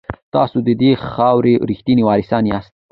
تاسو د دې خاورې ریښتیني وارثان یاست.